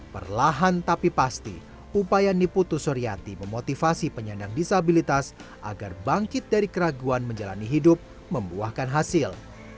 perlahan tapi pasti upaya niputu suryati memotivasi penyandang disabilitas agar bangkit dari keraguan menjalani hidup membuahkan hasil